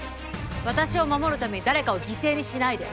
私を守るため誰かを犠牲にしないで！